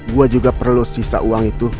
gue juga perlu sisa uang itu